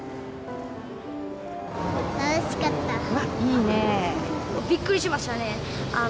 いいねぇ。びっくりしましたね。